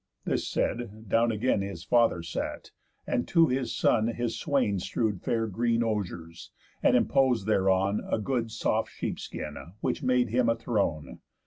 This said, down again His father sat, and to his son his swain Strew'd fair green osiers, and impos'd thereon A good soft sheepskin, which made him a throne.